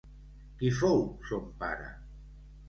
Qui fou son pare?